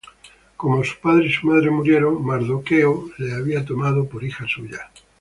como su padre y su madre murieron, Mardochêo la había tomado por hija suya.